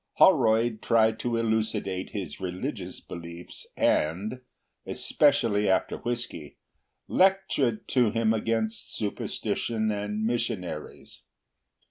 Holroyd tried to elucidate his religious beliefs, and—especially after whisky—lectured to him against superstition and missionaries.